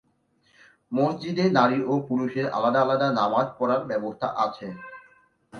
মসজিদে নারী ও পুরুষের আলাদা আলাদা নামাজ পড়ার ব্যবস্থা আছে।